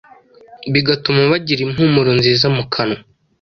bigatuma bagira impumuro nziza mu kanwa